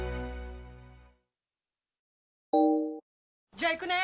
じゃあ行くね！